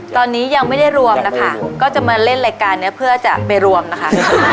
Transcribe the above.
ตอนนี้ยังไม่ได้รวมนะคะก็จะมาเล่นรายการนี้เพื่อจะไปรวมนะคะ